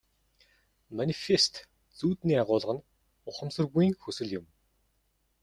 Манифест зүүдний агуулга нь ухамсаргүйн хүсэл юм.